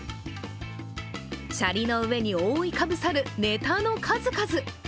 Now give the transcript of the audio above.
シャリの上に覆いかぶさるネタの数々。